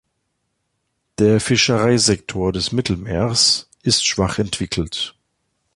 Der Fischereisektor des Mittelmeers ist schwach entwickelt.